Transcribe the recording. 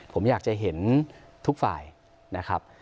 ผมอยากจะเห็นทุกฝ่ายนะครับ